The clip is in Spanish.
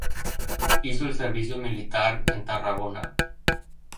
Hizo el servicio militar en Tarragona.